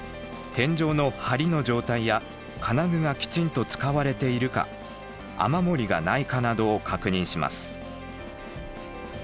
天井のはりの状態や金具がきちんと使われているか雨漏りがないかなどを確認します。